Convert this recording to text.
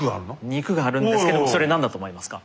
肉があるんですけどもそれ何だと思いますか？